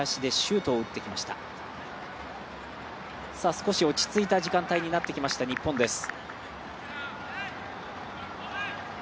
少し落ち着いた時間帯になってきました日本です。